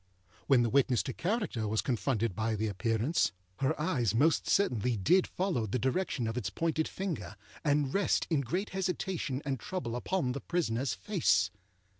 When the witness to character was confronted by the Appearance, her eyes most certainly did follow the direction of its pointed finger, and rest in great hesitation and trouble upon the prisonerâs face.